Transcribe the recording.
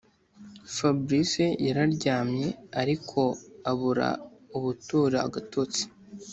fabric yararyamye ariko abura ubutora agatotsi